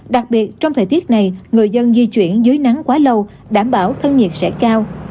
đặc biệt trong thời tiết này người dân di chuyển dưới nắng quá lâu đảm bảo thân nhiệt sẽ cao